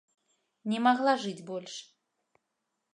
Не магла жыць больш.